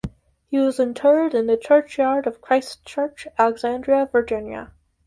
He was interred in the churchyard of Christ Church, Alexandria, Virginia.